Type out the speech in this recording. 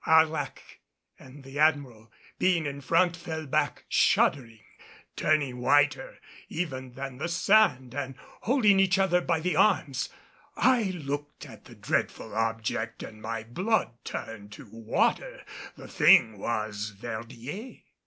Arlac and the Admiral, being in front, fell back shuddering, turning whiter even than the sand and holding each other by the arms. I looked at the dreadful object and my blood turned to water. The thing was Verdier!